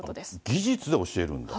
技術で教えるんだ。